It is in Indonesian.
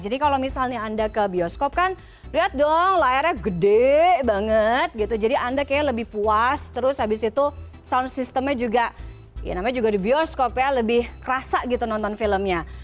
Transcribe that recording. jadi kalau misalnya anda ke bioskop kan lihat dong layarnya gede banget gitu jadi anda kayak lebih puas terus habis itu sound systemnya juga ya namanya juga di bioskop ya lebih kerasa gitu nonton filmnya